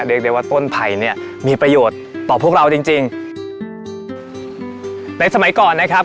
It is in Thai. เรียกได้ว่าต้นไผ่เนี่ยมีประโยชน์ต่อพวกเราจริงจริงในสมัยก่อนนะครับ